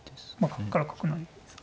ここから角成ですか。